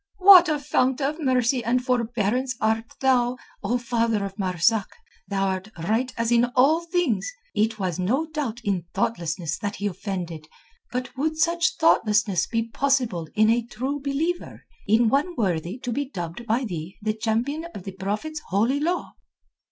"What a fount of mercy and forbearance art thou, O father of Marzak! Thou'rt right as in all things. It was no doubt in thoughtlessness that he offended, but would such thoughtlessness be possible in a True Believer—in one worthy to be dubbed by thee the champion of the Prophet's Holy Law?"